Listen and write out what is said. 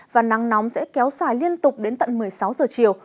và nắng nóng sẽ kéo xài liên tục đến tận một mươi sáu giờ chiều